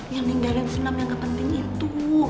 yang linggaran senam yang kepenting itu